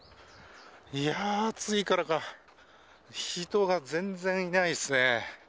いやー、暑いからか、人が全然いないですね。